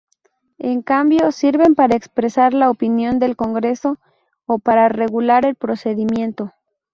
En cambio, sirven para expresar la opinión del Congreso o para regular el procedimiento.